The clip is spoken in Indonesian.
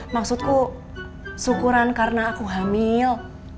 maksudku syukuran karena aku hamil